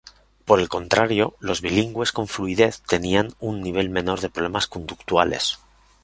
Por el contrario, los bilingües con fluidez tenían un nivel menor de problemas conductuales.